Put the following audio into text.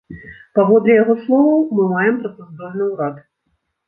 Паводле яго словаў, мы маем працаздольны ўрад.